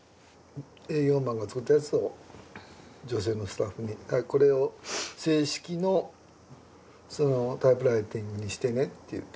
営業マンが作ったやつを女性のスタッフにこれを正式のタイプライティングにしてねっていって。